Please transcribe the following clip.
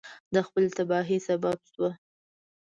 د خپلې تباهی سبب سوه.